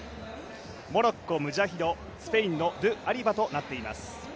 モロッコム、ジャヒドスペインのドゥ・アリバとなっています。